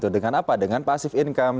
dengan apa dengan pasif income